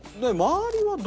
周りは。